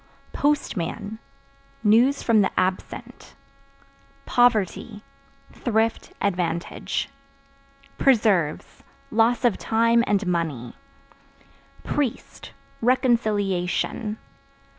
Postman News from the absent. Poverty Thrift, advantage. Preserves Loss of time and money. Priest Reconciliation.